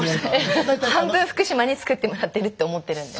半分福島に作ってもらってるって思ってるんで。